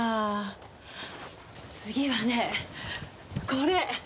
次はねこれ！